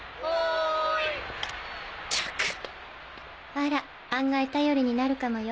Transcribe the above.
あら案外頼りになるかもよ？